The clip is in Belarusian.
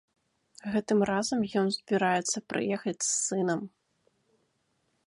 Гэтым разам ён збіраецца прыехаць з сынам.